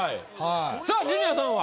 さあジュニアさんは？